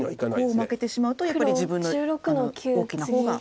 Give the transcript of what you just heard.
コウを負けてしまうとやっぱり自分の大きな方が。